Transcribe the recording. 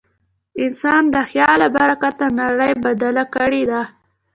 انسان د خیال له برکته نړۍ بدله کړې ده.